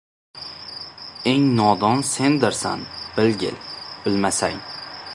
Eng nodon sendirsan — bilgil, bilmasang.